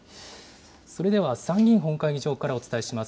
それでは参議院本会議場からお伝えします。